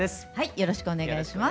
よろしくお願いします。